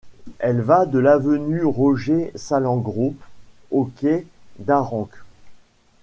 Elle va de l'avenue Roger-Salengro au quai d'Arenc.